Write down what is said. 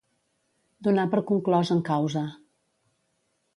Donar per conclòs en causa.